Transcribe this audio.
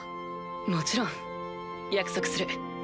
もちろん。約束する。